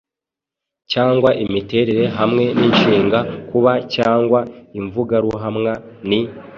cyangwa imiterere hamwe n’inshinga “kuba” cyangwa imvugaruhamwa “ni”.